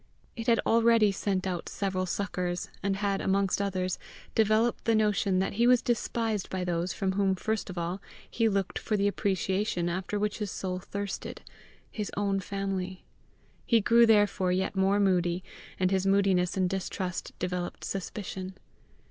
It had already sent out several suckers, and had, amongst others, developed the notion that he was despised by those from whom first of all he looked for the appreciation after which his soul thirsted his own family. He grew therefore yet more moody, and his moodiness and distrust developed suspicion.